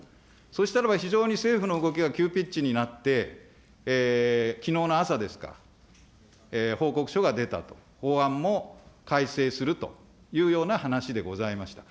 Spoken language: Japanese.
そしたらば、非常に政府の動きが急ピッチになって、きのうの朝ですか、報告書が出たと、法案も改正するというような話でございました。